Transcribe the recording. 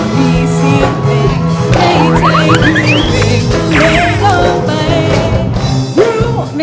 ไม่ใช่อะเดี๋ยวค่ะ